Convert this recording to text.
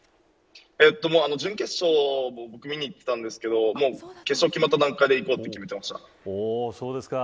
準決勝も見に行ってたんですけど決勝が決まった段階で行こうと決めていました。